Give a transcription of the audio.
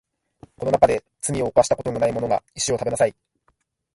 この中で罪を犯したことのないものが石を食べなさい